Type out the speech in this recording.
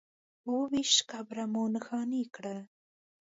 اووه ویشت قبره مو نښانې کړل.